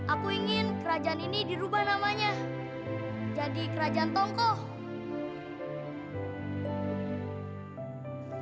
aku ingin kerajaan ini dirubah namanya jadi kerajaan tongkong